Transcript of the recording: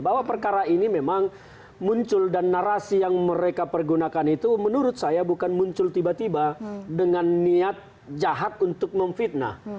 bahwa perkara ini memang muncul dan narasi yang mereka pergunakan itu menurut saya bukan muncul tiba tiba dengan niat jahat untuk memfitnah